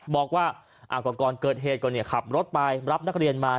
บอกว่าก่อนเกิดเหตุก่อนขับรถไปรับนักเรียนมา